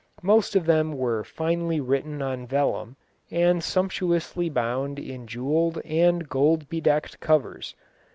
Most of them were finely written on vellum, and sumptuously bound in jewelled and gold bedecked covers.